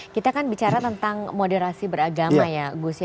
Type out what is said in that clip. kita kan bicara tentang moderasi beragama ya gus